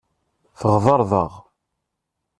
Tɣeḍreḍ-aɣ.